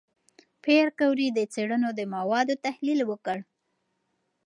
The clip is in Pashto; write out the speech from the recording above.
پېیر کوري د څېړنو د موادو تحلیل وکړ.